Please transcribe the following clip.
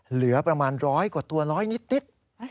เหลือประมาณร้อยกว่าตัวร้อยนิด